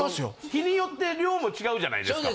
日によって量も違うじゃないですか。